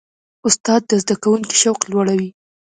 استاد د زده کوونکي شوق لوړوي.